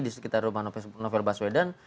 di sekitar rumah novel baswedan